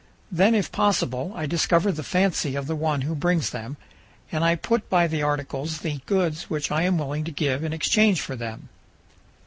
Then if possible I discover the fancy of the one who brings them, and I put by the articles the goods which I am willing to give in exchange for them.